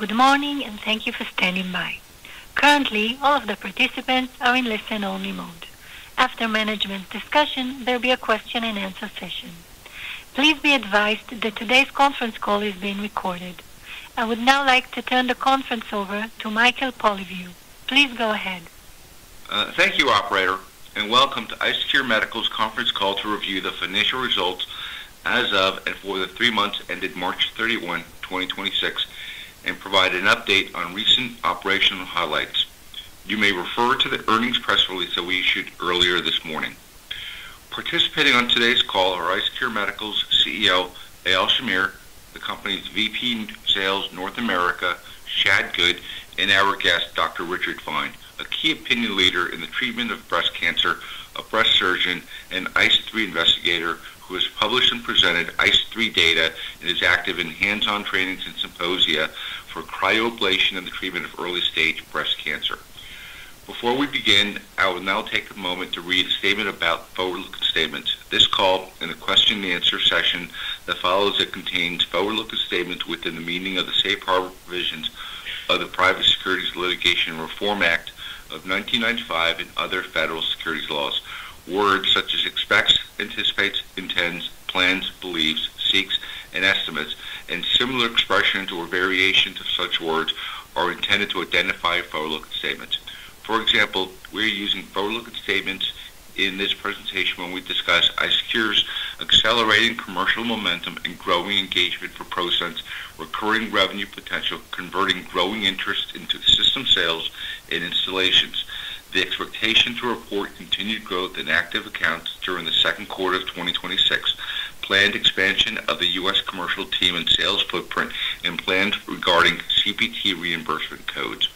Good morning, and thank you for standing by. Currently, all of the participants are in listening only mode. After management discussion, there'll be a question and answer session. Please be advised that today's conference call is being recorded. I would now like to turn the conference over to Michael Polyviou. Please go ahead. Thank you, operator, and welcome to IceCure Medical's conference call to review the financial results as of and for the three months ended March 31, 2026, and provide an update on recent operational highlights. You may refer to the earnings press release that we issued earlier this morning. Participating on today's call are IceCure Medical's CEO, Eyal Shamir, the company's VP in Sales North America, Shad Good, and our guest, Dr. Richard Fine, a key opinion leader in the treatment of breast cancer, a breast surgeon, and ICE3 Investigator who has published and presented ICE3 data and is active in hands-on trainings and symposia for cryoablation in the treatment of early-stage breast cancer. Before we begin, I will now take a moment to read a statement about forward-looking statements. This call and the question-and-answer session that follows it contains forward-looking statements within the meaning of the safe harbor provisions of the Private Securities Litigation Reform Act of 1995 and other federal securities laws. Words such as expects, anticipates, intends, plans, believes, seeks, and estimates, and similar expressions or variations of such words are intended to identify forward-looking statements. For example, we're using forward-looking statements in this presentation when we discuss IceCure's accelerating commercial momentum and growing engagement for ProSense, recurring revenue potential, converting growing interest into system sales and installations, the expectation to report continued growth in active accounts during the second quarter of 2026, planned expansion of the U.S. commercial team and sales footprint, and plans regarding CPT reimbursement codes.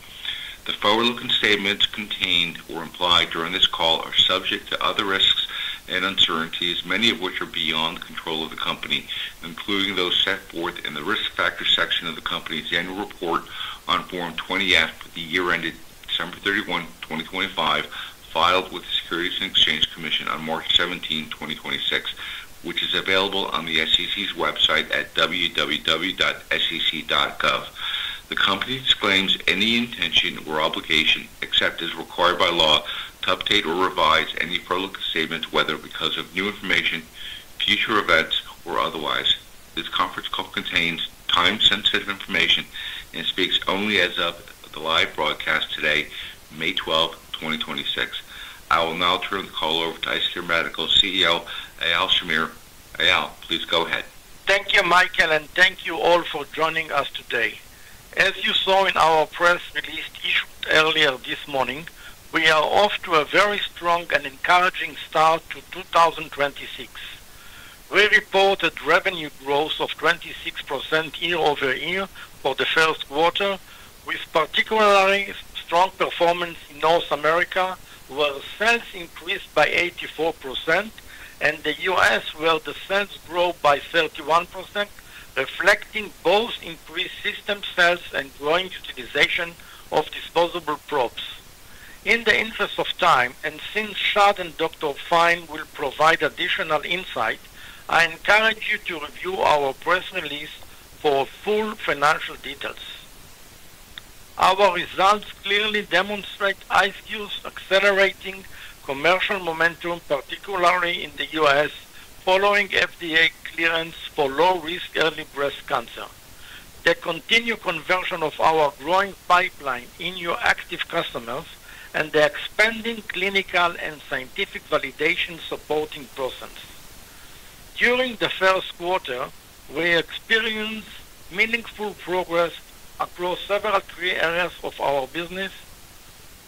The forward-looking statements contained or implied during this call are subject to other risks and uncertainties, many of which are beyond the control of the company, including those set forth in the Risk Factors section of the company's annual report on Form 20-F for the year ended December 31, 2025, filed with the Securities and Exchange Commission on March 17, 2026, which is available on the SEC's website at www.sec.gov. The company disclaims any intention or obligation, except as required by law, to update or revise any forward-looking statements, whether because of new information, future events, or otherwise. This conference call contains time-sensitive information and speaks only as of the live broadcast today, May 12, 2026. I will now turn the call over to IceCure Medical CEO, Eyal Shamir. Eyal, please go ahead. Thank you, Michael, and thank you all for joining us today. As you saw in our press release issued earlier this morning, we are off to a very strong and encouraging start to 2026. We reported revenue growth of 26% year-over-year for the first quarter, with particularly strong performance in North America, where sales increased by 84%, and the U.S., where the sales grew by 31%, reflecting both increased system sales and growing utilization of disposable probes. In the interest of time, and since Shad and Dr. Fine will provide additional insight, I encourage you to review our press release for full financial details. Our results clearly demonstrate IceCure's accelerating commercial momentum, particularly in the U.S., following FDA clearance for low-risk early breast cancer, the continued conversion of our growing pipeline in new active customers and the expanding clinical and scientific validation supporting ProSense. During the first quarter, we experienced meaningful progress across several key areas of our business.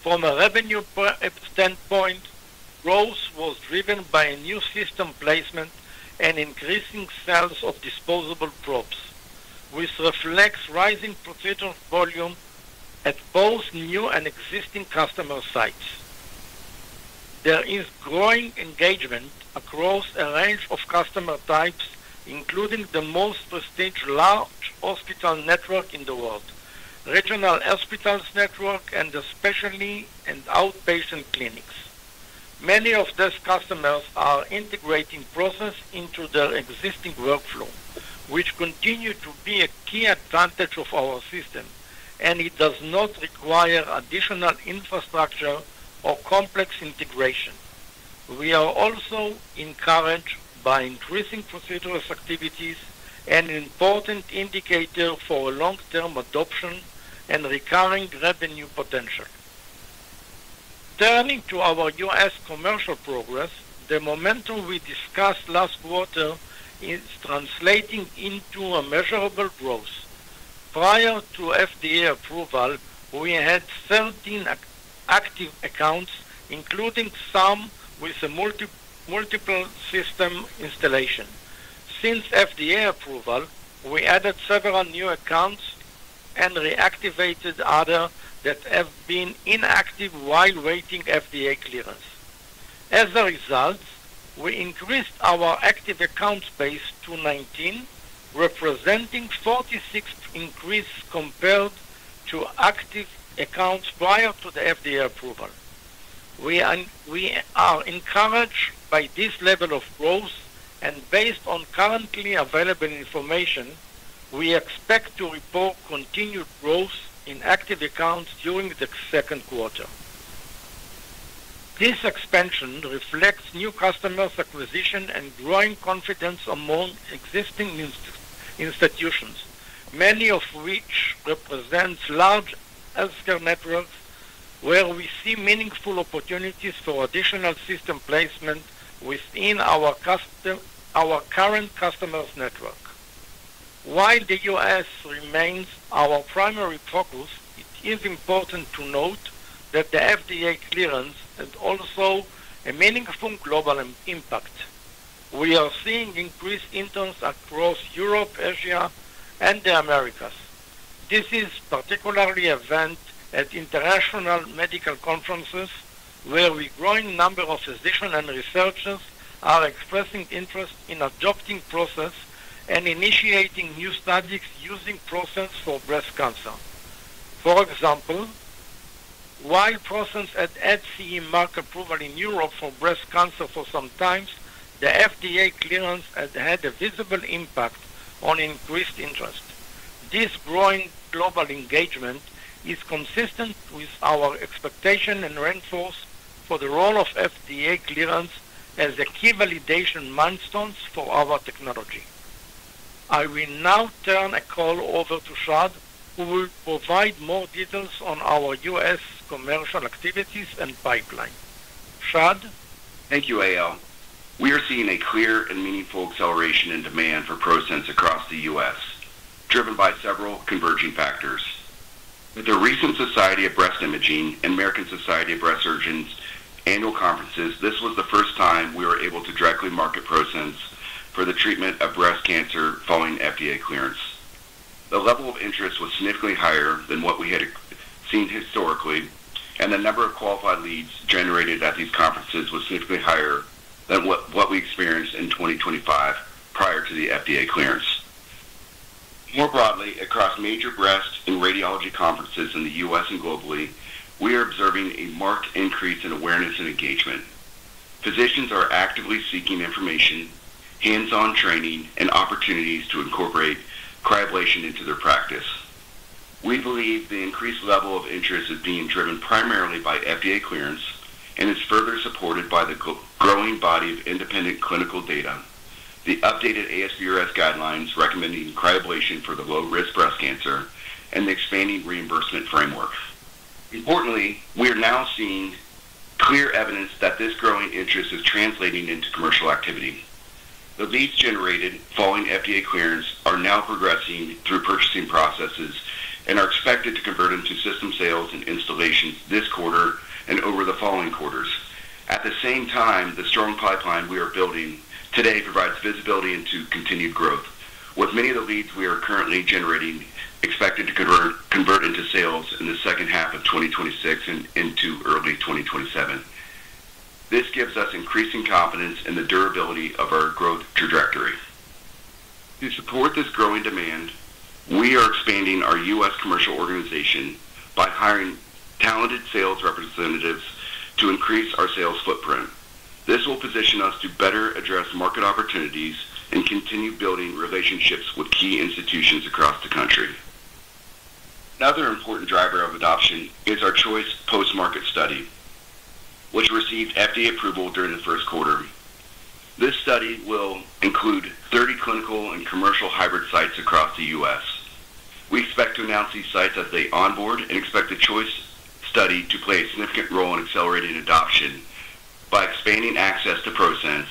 From a revenue standpoint, growth was driven by a new system placement and increasing sales of disposable probes, which reflects rising procedure volume at both new and existing customer sites. There is growing engagement across a range of customer types, including the most prestigious large hospital network in the world, regional hospitals network, and especially in outpatient clinics. Many of these customers are integrating ProSense into their existing workflow, which continue to be a key advantage of our system, and it does not require additional infrastructure or complex integration. We are also encouraged by increasing procedural activities, an important indicator for long-term adoption and recurring revenue potential. Turning to our U.S. commercial progress, the momentum we discussed last quarter is translating into a measurable growth. Prior to FDA approval, we had 13 active accounts, including some with a multiple system installation. Since FDA approval, we added several new accounts and reactivated others that have been inactive while waiting FDA clearance. As a result, we increased our active accounts base to 19, representing 46% increase compared to active accounts prior to the FDA approval. We are encouraged by this level of growth, and based on currently available information, we expect to report continued growth in active accounts during the second quarter. This expansion reflects new customers acquisition and growing confidence among existing institutions, many of which represent large healthcare networks where we see meaningful opportunities for additional system placement within our current customers network. While the U.S. remains our primary focus, it is important to note that the FDA clearance has also a meaningful global impact. We are seeing increased interest across Europe, Asia, and the Americas. This is particularly evident at international medical conferences, where a growing number of physicians and researchers are expressing interest in adopting ProSense and initiating new studies using ProSense for breast cancer. For example, while ProSense had CE mark approval in Europe for breast cancer for some time, the FDA clearance has had a visible impact on increased interest. This growing global engagement is consistent with our expectation and reinforce for the role of FDA clearance as a key validation milestone for our technology. I will now turn the call over to Shad, who will provide more details on our U.S. commercial activities and pipeline. Shad? Thank you, Eyal. We are seeing a clear and meaningful acceleration in demand for ProSense across the U.S., driven by several converging factors. At the recent Society of Breast Imaging and American Society of Breast Surgeons annual conferences, this was the first time we were able to directly market ProSense for the treatment of breast cancer following FDA clearance. The level of interest was significantly higher than what we had seen historically, and the number of qualified leads generated at these conferences was significantly higher than what we experienced in 2025 prior to the FDA clearance. More broadly, across major breast and radiology conferences in the U.S. and globally, we are observing a marked increase in awareness and engagement. Physicians are actively seeking information, hands-on training, and opportunities to incorporate cryoablation into their practice. We believe the increased level of interest is being driven primarily by FDA clearance and is further supported by the growing body of independent clinical data, the updated ASBRS guidelines recommending cryoablation for the low-risk breast cancer, and the expanding reimbursement framework. Importantly, we are now seeing clear evidence that this growing interest is translating into commercial activity. The leads generated following FDA clearance are now progressing through purchasing processes and are expected to convert into system sales and installations this quarter and over the following quarters. At the same time, the strong pipeline we are building today provides visibility into continued growth, with many of the leads we are currently generating expected to convert into sales in the second half of 2026 and into early 2027. This gives us increasing confidence in the durability of our growth trajectory. To support this growing demand, we are expanding our U.S. commercial organization by hiring talented sales representatives to increase our sales footprint. This will position us to better address market opportunities and continue building relationships with key institutions across the U.S. Another important driver of adoption is our ChoICE post-market study, which received FDA approval during the first quarter. This study will include 30 clinical and commercial hybrid sites across the U.S. We expect to announce these sites as they onboard and expect the ChoICE study to play a significant role in accelerating adoption by expanding access to ProSense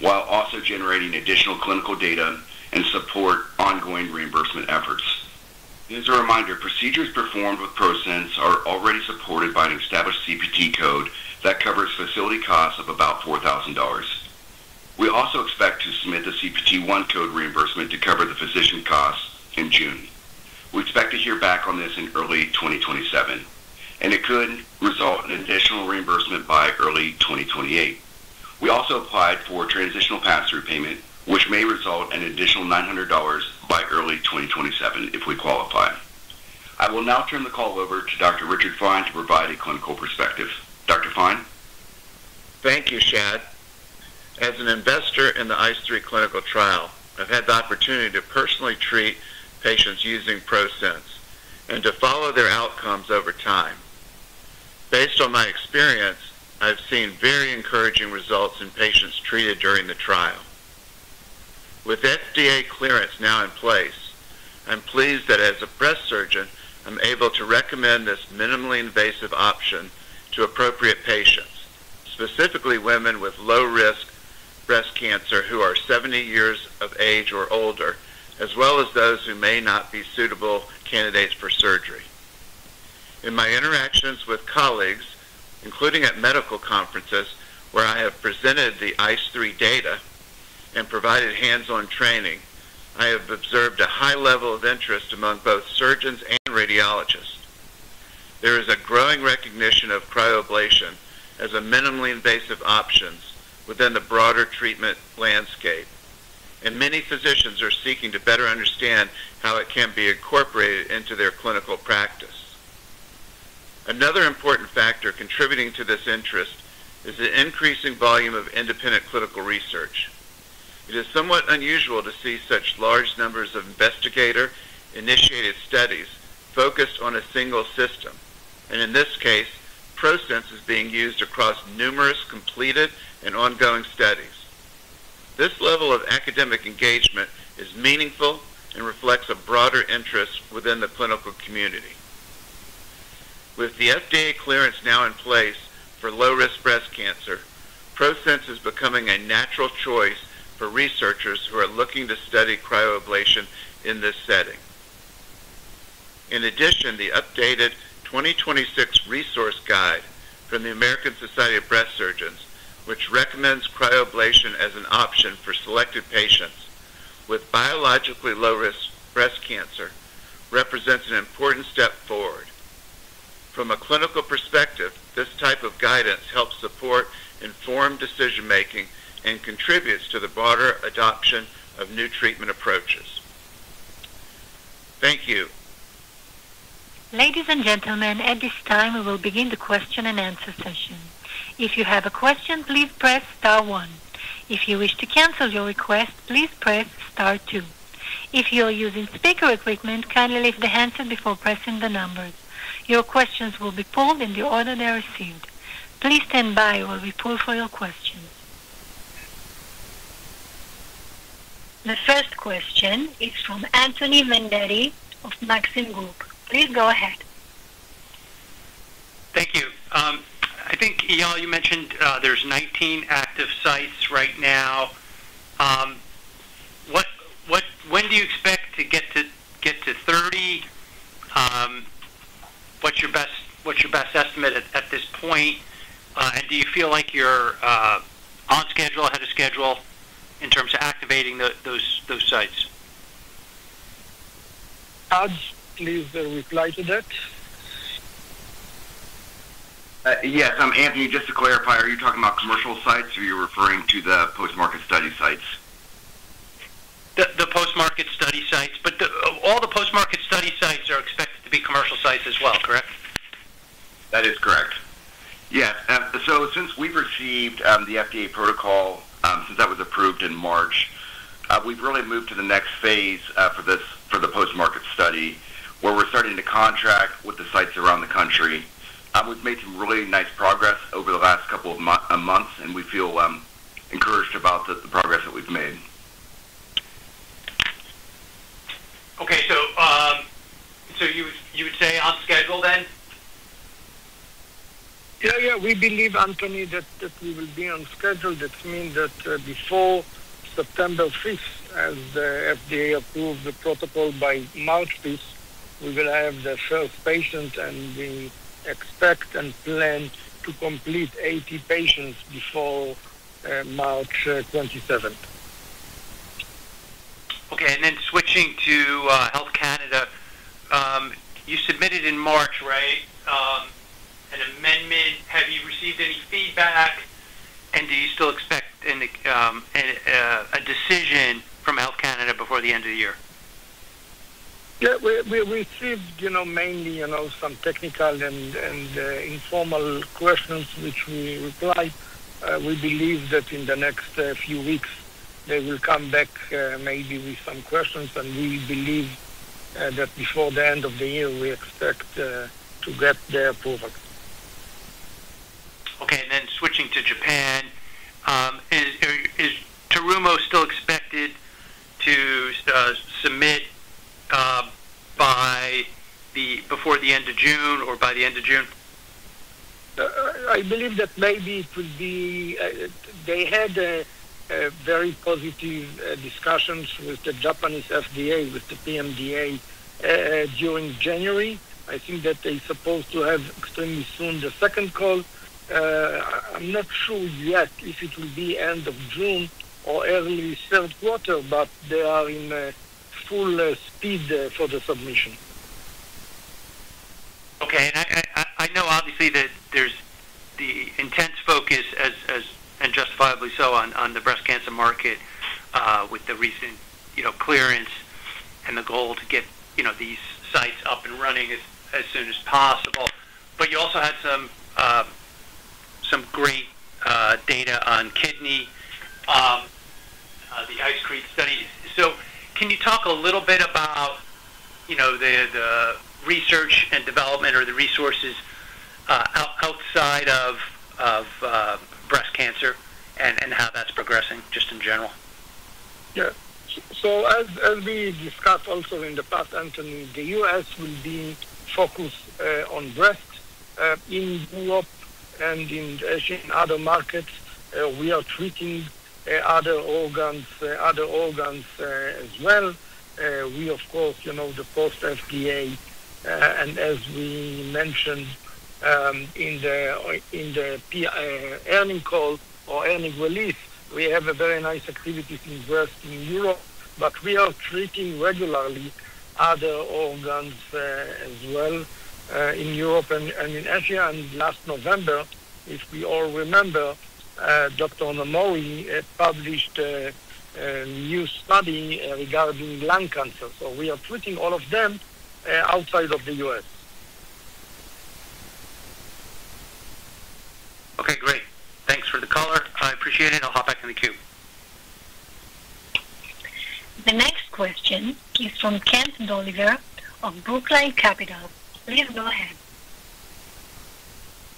while also generating additional clinical data and support ongoing reimbursement efforts. As a reminder, procedures performed with ProSense are already supported by an established CPT code that covers facility costs of about $4,000. We also expect to submit the CPT 1 code reimbursement to cover the physician costs in June. We expect to hear back on this in early 2027, and it could result in additional reimbursement by early 2028. We also applied for transitional pass-through payment, which may result in an additional $900 by early 2027 if we qualify. I will now turn the call over to Dr. Richard Fine to provide a clinical perspective. Dr. Fine? Thank you, Shad. As an Investigator in the ICE3 clinical trial, I've had the opportunity to personally treat patients using ProSense and to follow their outcomes over time. Based on my experience, I've seen very encouraging results in patients treated during the trial. With FDA clearance now in place, I'm pleased that as a breast surgeon, I'm able to recommend this minimally invasive option to appropriate patients, specifically women with low-risk breast cancer who are 70 years of age or older, as well as those who may not be suitable candidates for surgery. In my interactions with colleagues, including at medical conferences where I have presented the ICE3 data and provided hands-on training, I have observed a high level of interest among both surgeons and radiologists. There is a growing recognition of cryoablation as a minimally invasive options within the broader treatment landscape. Many physicians are seeking to better understand how it can be incorporated into their clinical practice. Another important factor contributing to this interest is the increasing volume of independent clinical research. It is somewhat unusual to see such large numbers of investigator-initiated studies focused on a single system, and in this case, ProSense is being used across numerous completed and ongoing studies. This level of academic engagement is meaningful and reflects a broader interest within the clinical community. With the FDA clearance now in place for low-risk breast cancer, ProSense is becoming a natural choice for researchers who are looking to study cryoablation in this setting. In addition, the updated 2026 resource guide from the American Society of Breast Surgeons, which recommends cryoablation as an option for selected patients with biologically low-risk breast cancer, represents an important step forward. From a clinical perspective, this type of guidance helps support informed decision-making and contributes to the broader adoption of new treatment approaches. Thank you. Ladies and gentlemen at this time we will begin the question and answer session. If you have a question, please press star one. If you wish to cancel your request please press star two. If you're using speaker equipment kindly raise the hand before pressing the number. Your questions will be pulled in the ordinary scene. Please stand by while we pull your question. The first question is from Anthony Vendetti of Maxim Group. Please go ahead. Thank you. I think, Eyal, you mentioned there's 19 active sites right now. When do you expect to get to 30? What's your best estimate at this point? Do you feel like you're on schedule, ahead of schedule in terms of activating those sites? Shad, please reply to that. Yes. Anthony, just to clarify, are you talking about commercial sites or are you referring to the post-market study sites? The post-market study sites, all the post-market study sites are expected to be commercial sites as well, correct? That is correct. Yes. Since we've received the FDA protocol, since that was approved in March, we've really moved to the next phase for this, for the post-market study, where we're starting to contract with the sites around the country. We've made some really nice progress over the last couple of months, we feel encouraged about the progress that we've made. Okay. You would say on schedule then? Yeah, yeah. We believe, Anthony, that we will be on schedule. That means that, before September fifth, as the FDA approved the protocol by March fifth, we will have the first patient, and we expect and plan to complete 80 patients before March 27th. Okay. Switching to Health Canada. You submitted in March, right, an amendment? Have you received any feedback, and do you still expect any a decision from Health Canada before the end of the year? Yeah. We received, you know, mainly, you know, some technical and informal questions which we replied. We believe that in the next few weeks they will come back, maybe with some questions, and we believe that before the end of the year, we expect to get the approval. Okay. Switching to Japan. Is Terumo still expected to submit before the end of June or by the end of June? I believe that maybe it will be, they had a very positive discussions with the Japanese FDA, with the PMDA during January. I think that they supposed to have extremely soon the second call. I'm not sure yet if it will be end of June or early third quarter, but they are in a full speed for the submission. Okay. I know obviously that there's the intense focus as, and justifiably so, on the breast cancer market, with the recent, you know, clearance and the goal to get, you know, these sites up and running as soon as possible. You also had some great data on kidney, the ICESECRET study. Can you talk a little bit about, you know, the research and development or the resources outside of breast cancer and how that's progressing just in general? Yeah. As we discussed also in the past, Anthony, the U.S. will be focused on breast. In Europe and in Asia, other markets, we are treating other organs as well. We of course, you know, the post FDA, as we mentioned in the earning call or earnings release, we have a very nice activity in breast in Europe. We are treating regularly other organs as well in Europe and in Asia. Last November, if we all remember, Dr. Nomori published a new study regarding lung cancer. We are treating all of them outside of the U.S. Okay, great. Thanks for the color. I appreciate it. I'll hop back in the queue. The next question is from Kent Oliver of Brookline Capital. Please go ahead.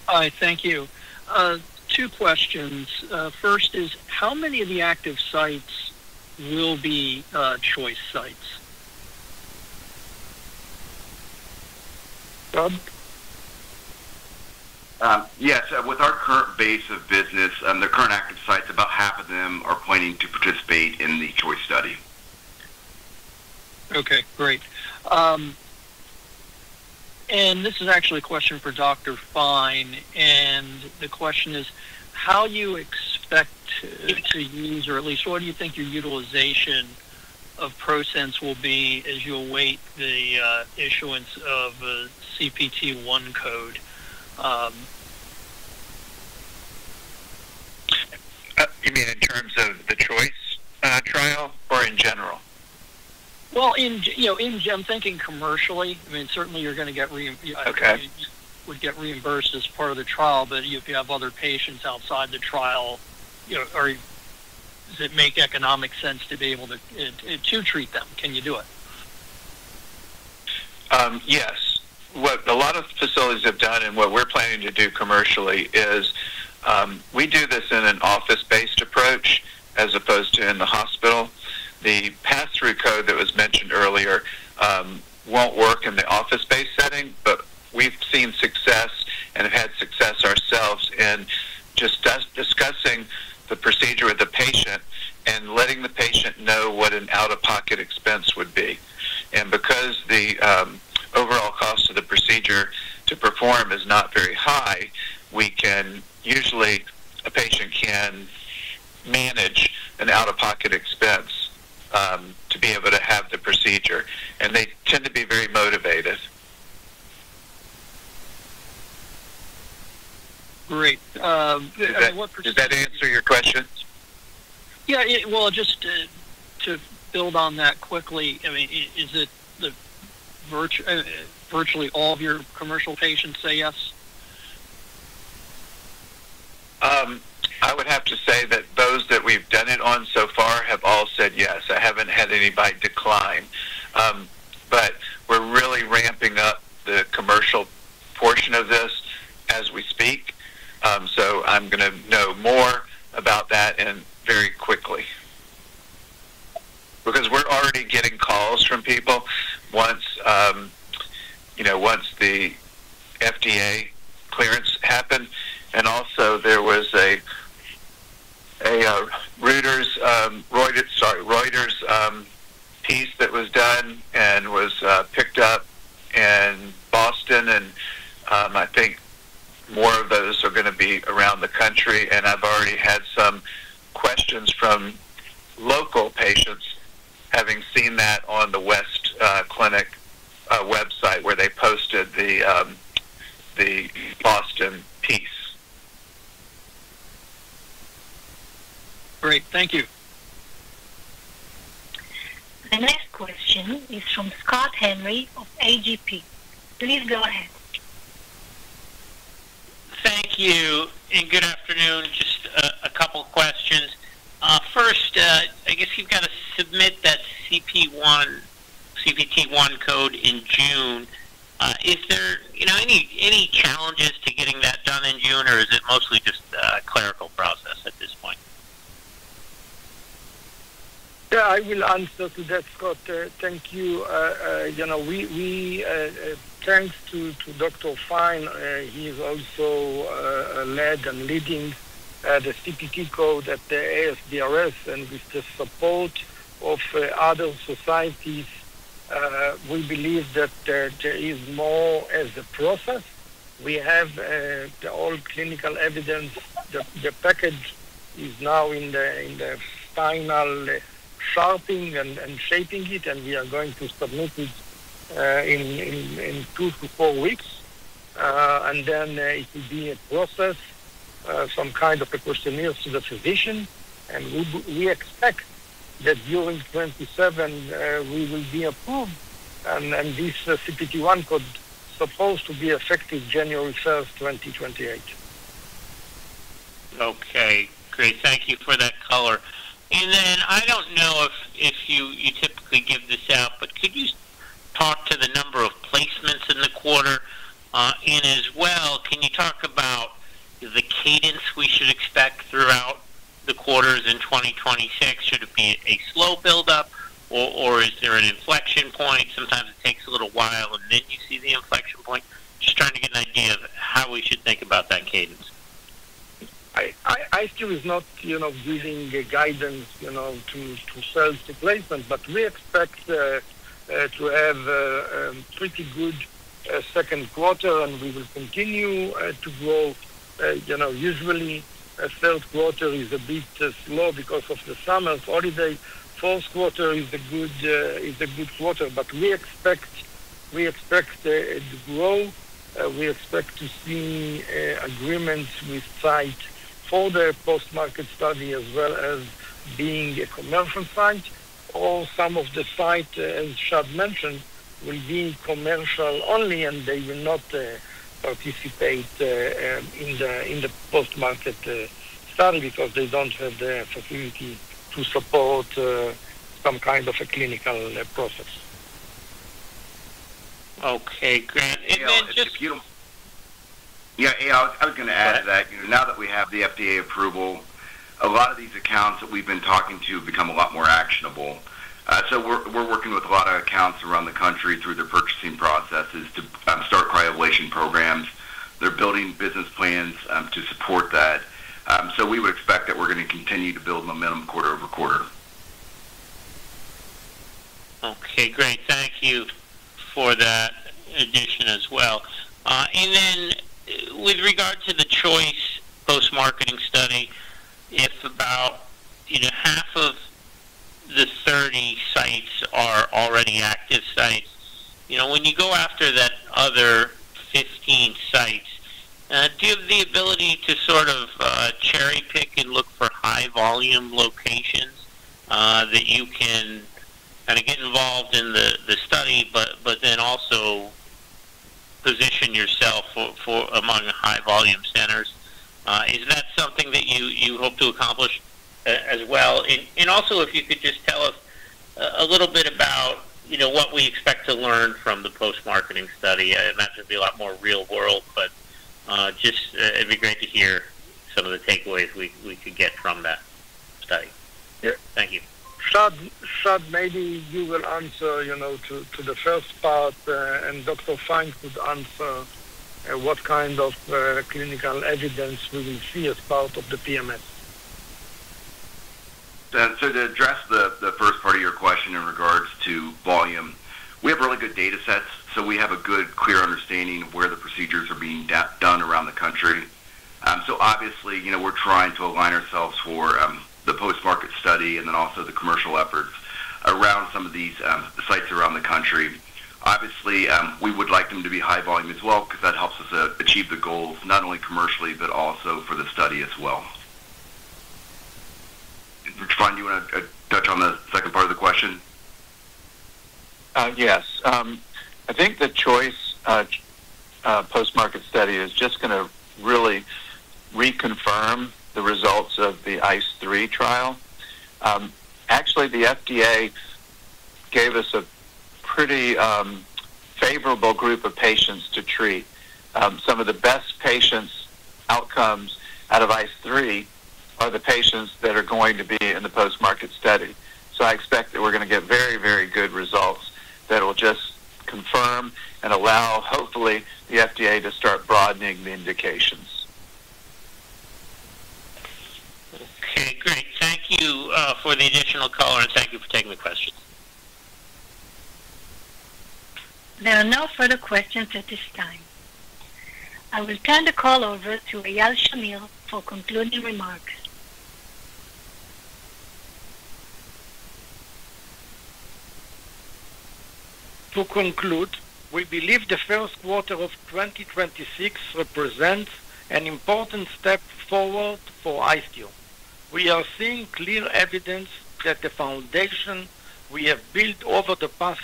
Hi. Thank you. Two questions. First is, how many of the active sites will be, ChoICE sites? Good? Yes. With our current base of business, the current active sites, about half of them are planning to participate in the ChoICE study. Okay, great. This is actually a question for Dr. Fine, the question is, how you expect to use or at least what do you think your utilization of ProSense will be as you await the issuance of a CPT 1 code? You mean in terms of the ChoICE trial or in general? Well, you know, I'm thinking commercially. Okay. You would get reimbursed as part of the trial, but if you have other patients outside the trial, you know, or does it make economic sense to be able to treat them? Can you do it? Yes. What a lot of facilities have done and what we're planning to do commercially is, we do this in an office-based approach as opposed to in the hospital. on that quickly, I mean, is it virtually all of your commercial patients say yes? I would have to say that those that we've done it on so far have all said yes. I haven't had anybody decline. We're really ramping up the commercial portion of this as we speak. I'm gonna know more about that and very quickly. Because we're already getting calls from people once, you know, once the FDA clearance happened. Also there was a Reuters piece that was done and was picked up in Boston. I think more of those are gonna be around the country. I've already had some questions from local patients having seen that on the West clinic website where they posted the Boston piece. Great. Thank you. The next question is from Scott Henry of A.G.P. Please go ahead. Thank you and good afternoon. Just a couple questions. First, I guess you've got to submit that CPT 1 code in June. Is there, you know, any challenges to getting that done in June, or is it mostly just a clerical process at this point? Yeah, I will answer to that, Scott. Thank you. You know, we Thanks to Dr. Fine. He's also led and leading the CPT code at the ASBRS. With the support of other societies, we believe that there is more as a process. We have all clinical evidence. The package is now in the final sharpening and shaping it, and we are going to submit it in two to four weeks. Then it will be a process, some kind of a questionnaire to the physician. We expect that during 2027 we will be approved, and this CPT 1 code supposed to be effective January 1st, 2028. Okay, great. Thank you for that color. I don't know if you typically give this out, but could you talk to the number of placements in the quarter? As well, can you talk about the cadence we should expect throughout the quarters in 2026? Should it be a slow buildup or is there an inflection point? Sometimes it takes a little while and then you see the inflection point. Just trying to get an idea of how we should think about that cadence. IceCure is not, you know, giving a guidance, you know, to sell the placement, but we expect. To have a pretty good second quarter, we will continue to grow. You know, usually a third quarter is a bit slow because of the summer holiday. Fourth quarter is a good quarter. We expect it to grow. We expect to see agreements with sites for the post-market study as well as being a commercial site or some of the sites, as Shad mentioned, will be commercial only, and they will not participate in the post-market study because they don't have the facility to support some kind of a clinical process. Okay, great. Yeah, Eyal, I was gonna add to that. You know, now that we have the FDA approval, a lot of these accounts that we've been talking to have become a lot more actionable. We're working with a lot of accounts around the country through their purchasing processes to start cryoablation programs. They're building business plans to support that. We would expect that we're gonna continue to build momentum quarter over quarter. Okay, great. Thank you for that addition as well. With regard to the ChoICE post-marketing study, if about, you know, half of the 30 sites are already active sites, you know, when you go after that other 15 sites, do you have the ability to sort of cherry-pick and look for high volume locations that you can kinda get involved in the study, but then also position yourself for among high volume centers? Is that something that you hope to accomplish as well? Also, if you could just tell us a little bit about, you know, what we expect to learn from the post-marketing study. I imagine it'd be a lot more real world, but, just, it'd be great to hear some of the takeaways we could get from that study. Yeah. Thank you. Shad, maybe you will answer, you know, to the first part, and Dr. Fine could answer what kind of clinical evidence we will see as part of the PMS. To address the first part of your question in regards to volume, we have really good data sets, so we have a good, clear understanding of where the procedures are being done around the country. Obviously, you know, we're trying to align ourselves for the post-market study and then also the commercial efforts around some of these sites around the country. Obviously, we would like them to be high volume as well because that helps us achieve the goals, not only commercially, but also for the study as well. Richard Fine, do you wanna touch on the second part of the question? Yes. I think the ChoICE post-market study is just gonna really reconfirm the results of the ICE3 trial. Actually, the FDA gave us a pretty favorable group of patients to treat. Some of the best patients outcomes out of ICE3 are the patients that are going to be in the post-market study. I expect that we're gonna get very, very good results that will just confirm and allow, hopefully, the FDA to start broadening the indications. Okay, great. Thank you for the additional color, and thank you for taking the questions. There are no further questions at this time. I will turn the call over to Eyal Shamir for concluding remarks. To conclude, we believe the first quarter of 2026 represents an important step forward for IceCure. We are seeing clear evidence that the foundation we have built over the past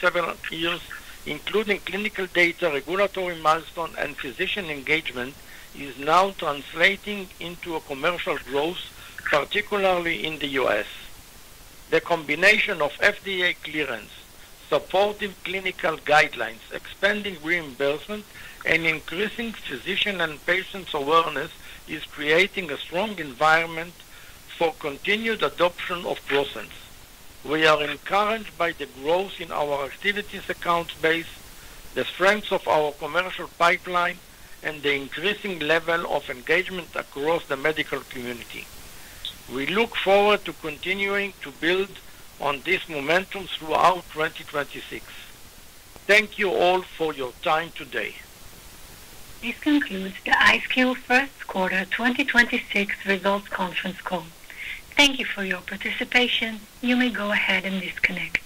several years, including clinical data, regulatory milestone, and physician engagement, is now translating into a commercial growth, particularly in the U.S. The combination of FDA clearance, supportive clinical guidelines, expanding reimbursement, and increasing physician and patients awareness is creating a strong environment for continued adoption of ProSense. We are encouraged by the growth in our activities account base, the strength of our commercial pipeline, and the increasing level of engagement across the medical community. We look forward to continuing to build on this momentum throughout 2026. Thank you all for your time today. This concludes the IceCure first quarter 2026 results conference call. Thank you for your participation. You may go ahead and disconnect.